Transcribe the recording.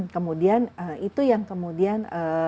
kemudian itu yang kemudian